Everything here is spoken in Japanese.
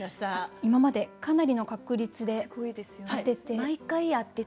今までかなりの確率で当てて。